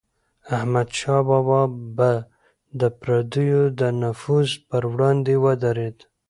احمدشاه بابا به د پردیو د نفوذ پر وړاندې ودرید.